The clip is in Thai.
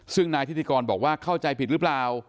ซึ่งนายธิติกรบอกว่าเข้าใจผิดหรือเปล่า